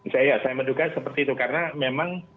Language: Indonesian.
saya menduga seperti itu karena memang